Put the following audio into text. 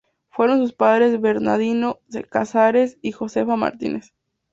Fueron sus padres Bernardino Cáceres y Josefa Martínez.